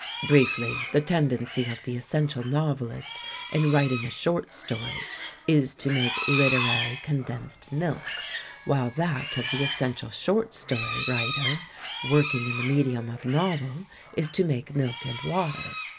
Briefly, the tendency of the essential novelist in writing a short story is to make literary con densed milk, while that of the essential short story wi'iter working in the medium of a novel is to make milk and water.